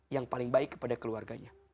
yang paling baik kepada keluarganya